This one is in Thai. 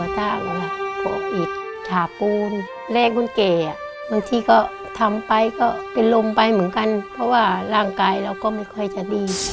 บางทีก็ทำไปก็เป็นลมไปเหมือนกันเพราะว่าร่างกายเราก็ไม่ค่อยจะดี